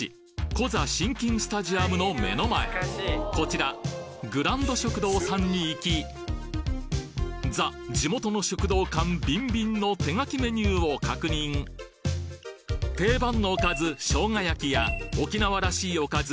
コザしんきんスタジアムの目の前こちらグランド食堂さんに行きザ・地元の食堂感ビンビンの手書きメニューを確認定番の「おかず」しょうが焼や沖縄らしい「おかず」